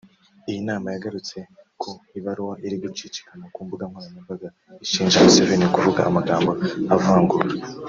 Iyi nama yanagarutse ku ibaruwa iri gucicikana ku mbuga nkoranyambaga ishinja Museveni kuvuga amagambo avangura